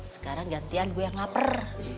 sekarang gantian gue yang lapar